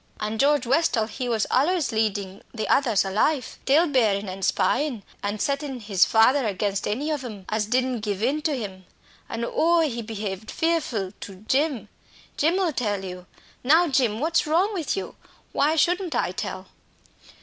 An' George Westall, he was allays leading the others a life tale bearing an' spyin', an' settin' his father against any of 'em as didn't give in to him. An', oh, he behaved fearful to Jim! Jim ull tell you. Now, Jim, what's wrong with you why shouldn't I tell?"